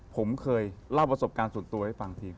ผมเคยเล่าประสบการณ์ส่วนตัวให้ฟังเพียง